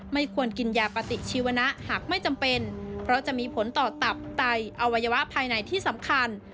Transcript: ไม่ควรกินยาปฏิชีวนะหากไม่จำเป็นเพราะจะมีผลต่อตับไตอวัยวะภายในที่สำคัญ